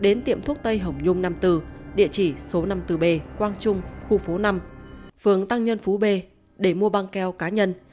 đến tiệm thuốc tây hồng nhung năm mươi bốn địa chỉ số năm mươi bốn b quang trung khu phố năm phường tăng nhân phú b để mua băng keo cá nhân